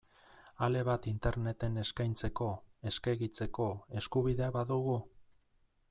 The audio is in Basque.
Ale bat Interneten eskaintzeko, eskegitzeko, eskubidea badugu?